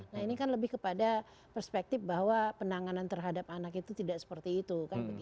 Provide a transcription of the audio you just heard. nah ini kan lebih kepada perspektif bahwa penanganan terhadap anak itu tidak seperti itu